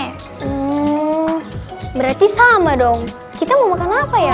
hmm berarti sama dong kita mau makan apa ya